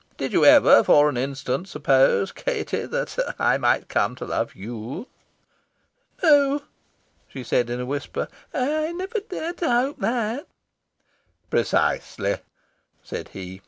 Did you ever for an instant suppose, Katie, that I might come to love you?" "No," she said in a whisper; "I never dared to hope that." "Precisely," said he.